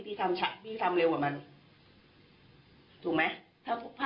พี่ทำช้ากันพี่ทำเร็วกว่ามันถูกไหม